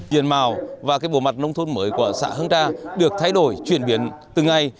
tiền màu và cái bộ mặt nông thôn mới của xã hương tra được thay đổi chuyển biến từng ngày